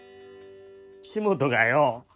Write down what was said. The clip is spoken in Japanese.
岸本がよ